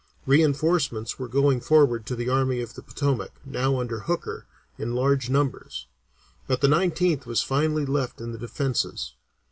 Reinforcements were going forward to the Army of the Potomac, now under Hooker, in large numbers; but the Nineteenth was finally left in the Defences.